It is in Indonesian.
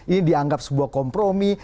ini dianggap sebuah kompromi